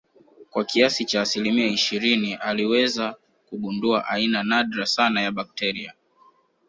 kwa kiasi cha asilimia ishirini aliweza kugundua aina nadra sana ya bakteria